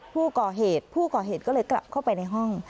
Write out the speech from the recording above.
ผู้ก่อเหตุก็เลยกลับเข้าไปในห้อง